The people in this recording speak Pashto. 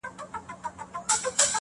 ستا د يادو لپاره_